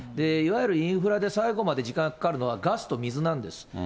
いわゆるインフラで最後まで時間がかかるのは、ガスと水なんです。